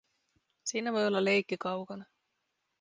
Siinä voi olla leikki kaukana.